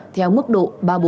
theo mức độ ba